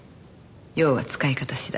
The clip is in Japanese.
要は使い方次第。